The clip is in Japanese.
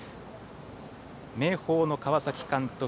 明豊の川崎監督